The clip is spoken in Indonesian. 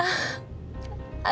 tante siapin tisu ya